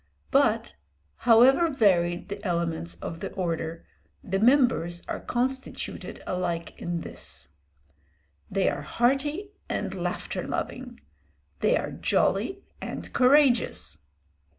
But, however varied the elements of the order, the members are constituted alike in this: they are hearty and laughter loving; they are jolly and courageous.